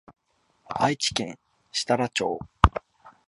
愛知県設楽町